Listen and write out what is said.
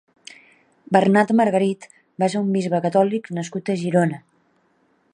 Bernat Margarit va ser un bisbe catòlic nascut a Girona.